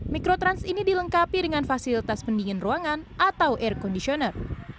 mikrotrans ini dilengkapi dengan fasilitas pendingin ruangan atau air conditioner